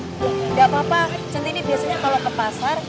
tidak apa apa centini biasanya kalau ke pasar